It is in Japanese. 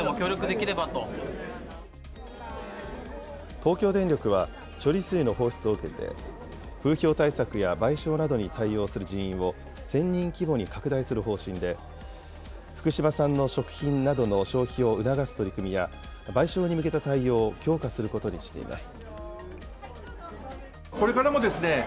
東京電力は処理水の放出を受けて、風評対策や賠償などに対応する人員を１０００人規模に拡大する方針で、福島産の食品などの消費を促す取り組みや、賠償に向けた対応を強化することにしています。